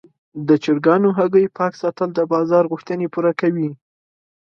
د چرګانو هګۍ پاک ساتل د بازار غوښتنې پوره کوي.